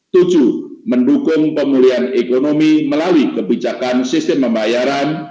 tujuh mendukung pemulihan ekonomi melalui kebijakan sistem pembayaran